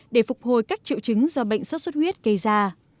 để phục hồi các triệu chứng do bệnh sốt xuất huyết gây ra